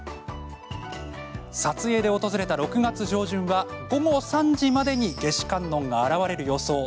撮影で訪れた６月上旬は午後３時までに夏至観音が現れる予想。